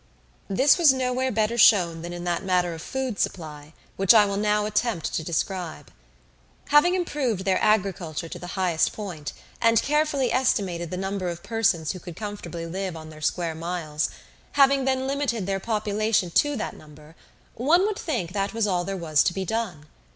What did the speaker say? This was nowhere better shown than in that matter of food supply, which I will now attempt to describe. Having improved their agriculture to the highest point, and carefully estimated the number of persons who could comfortably live on their square miles; having then limited their population to that number, one would think that was all there was to be done.